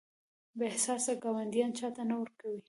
بې احساسه ګاونډیان چاته نه ورکوي.